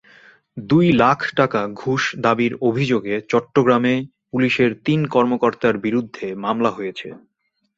দুই লাখ টাকা ঘুষ দাবির অভিযোগে চট্টগ্রামে পুলিশের তিন কর্মকর্তার বিরুদ্ধে মামলা হয়েছে।